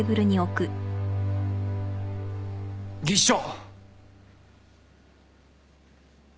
技師長。